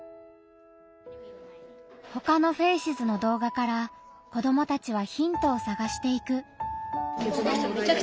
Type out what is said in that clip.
ほかの「ＦＡＣＥＳ」の動画から子どもたちはヒントをさがしていく。